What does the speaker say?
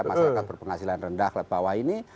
masyarakat berpenghasilan rendah klub bawah ini